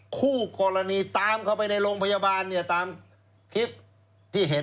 คู่กรณีตามเข้าไปในโรงพยาบาลเนี่ยตามคลิปที่เห็น